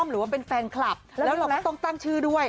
เราก็ต้องตั้งชื่อด้วย